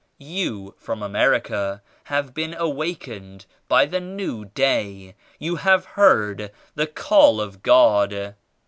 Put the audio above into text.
You from America have been awakened by the New Day; you have heard the Call of God.